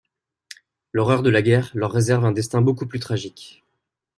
L'horreur de la guerre leur réserve un destin beaucoup plus tragique...